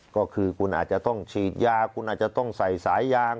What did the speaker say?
ก็คือคุณอาจจะต้องฉีดยาคุณอาจจะต้องใส่สายยาง